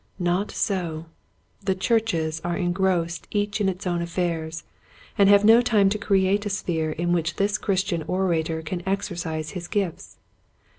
Not so. The churches are en grossed each in its own affairs, and have no time to create a sphere in which this Christian orator can exercise his gifts.